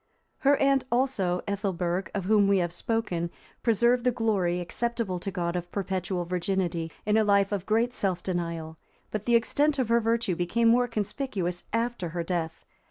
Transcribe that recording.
Her aunt also, Ethelberg, of whom we have spoken, preserved the glory, acceptable to God, of perpetual virginity, in a life of great self denial, but the extent of her virtue became more conspicuous after her death.